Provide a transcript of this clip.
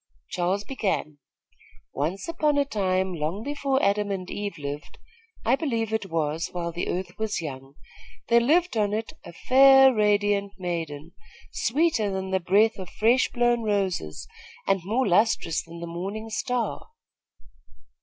Charles began: "Once upon a time, long before Adam and Eve lived, I believe it was, while the earth was young, there lived on it a fair, radiant maiden, sweeter than the breath of fresh blown roses and more lustrous than the morning star.